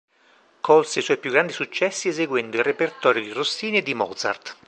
Colse i suoi più grandi successi eseguendo il repertorio di Rossini e di Mozart.